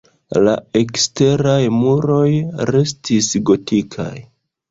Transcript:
La eksteraj muroj restis gotikaj.